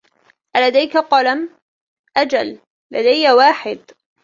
ألديك قلم ؟ أجل لدي واحد.